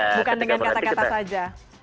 bukan dengan kata kata saja